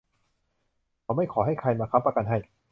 เขาไม่ขอให้ใครมาค้ำประกันให้